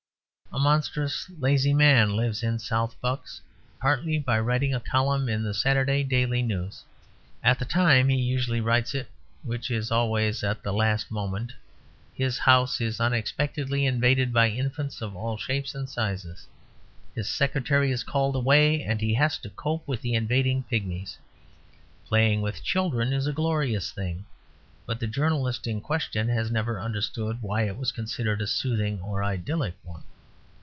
A monstrously lazy man lives in South Bucks partly by writing a column in the Saturday Daily News. At the time he usually writes it (which is always at the last moment) his house is unexpectedly invaded by infants of all shapes and sizes. His Secretary is called away; and he has to cope with the invading pigmies. Playing with children is a glorious thing; but the journalist in question has never understood why it was considered a soothing or idyllic one.